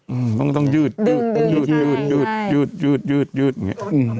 อืมต้องยืดใช่อย่างนี้